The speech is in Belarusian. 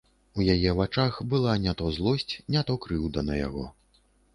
У яе вачах была не то злосць, не то крыўда на яго.